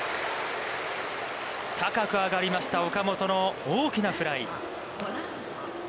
高く上がりました岡本の大きなフライ。